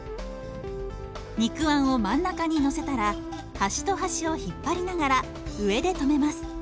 肉あんを真ん中にのせたら端と端を引っ張りながら上で留めます。